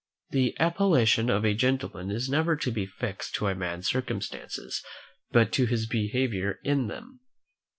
The appellation of gentleman is never to be affixed to a man's circumstances, but to his behaviour in them.